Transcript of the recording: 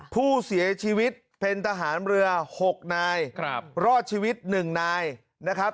ผู้เสียชีวิตเป็นทหารเรือ๖นายรอดชีวิต๑นายนะครับ